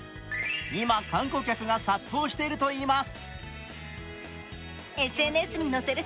今、観光客が殺到しているといいます。